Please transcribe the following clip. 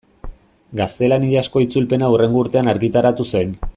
Gaztelaniazko itzulpena hurrengo urtean argitaratu zen.